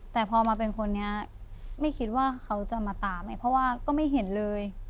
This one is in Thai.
แต่พอมาเป็นคนนี้ไม่คิดว่าเขาจะมาตามไงเพราะว่าก็ไม่เห็นเลย